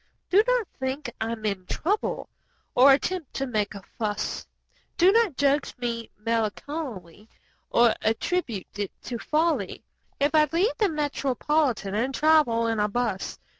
Do not think I am in trouble or attempt to make a fuss; Do not judge me melancholy or attribute it to folly If I leave the Metropolitan and travel 'n a bus.